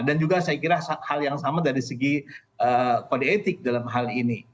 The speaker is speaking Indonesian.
dan juga saya kira hal yang sama dari segi kode etik dalam hal ini